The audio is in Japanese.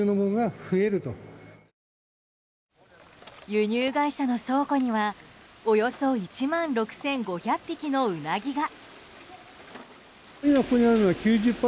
輸入会社の倉庫にはおよそ１万６５００匹のウナギが。